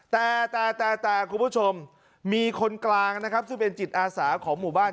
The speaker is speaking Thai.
แต่แต่แต่คุณผู้ชมมีคนกลางนะครับซึ่งเป็นจิตอาสาของหมู่บ้าน